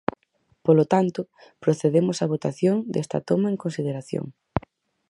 Polo tanto, procedemos á votación desta toma en consideración.